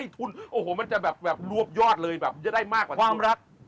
ทุนโอ้โหมันจะแบบรวบยอดเลยแบบจะได้มากกว่าความรัก